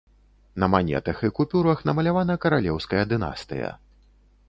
На манетах і купюрах намалявана каралеўская дынастыя.